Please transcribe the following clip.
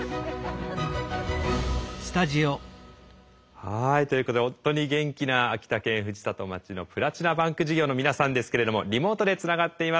はいということで本当に元気な秋田県藤里町の「プラチナバンク事業」の皆さんですけれどもリモートでつながっています。